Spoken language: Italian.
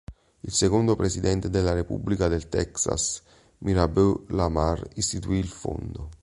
Il secondo presidente della Repubblica del Texas, Mirabeau Lamar istituì il fondo.